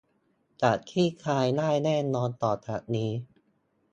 จะคลี่คลายได้แน่นอนต่อจากนี้